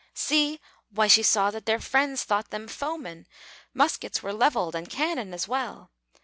See! why she saw that their friends thought them foemen; Muskets were levelled, and cannon as well!